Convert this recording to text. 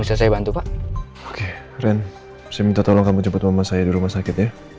saya minta tolong kamu jemput mama saya di rumah sakit ya